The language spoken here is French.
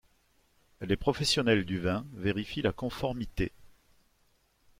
Les professionnels du vin vérifient la conformité.